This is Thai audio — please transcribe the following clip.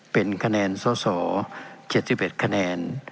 เป็นคะแนนสส๗๑คะแนน